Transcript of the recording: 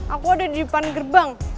aku ada di depan gerbang